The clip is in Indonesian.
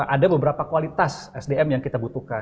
ada beberapa kualitas sdm yang kita butuhkan